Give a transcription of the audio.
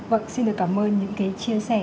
vâng xin được cảm ơn những cái chia sẻ